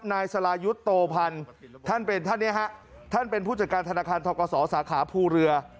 นายสรายุทธ์โตพันธ์ท่านเป็นท่านเนี่ยฮะท่านเป็นผู้จัดการธนาคารทกศสาขาภูเรือ